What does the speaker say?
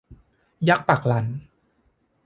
ยักษ์ปักหลั่น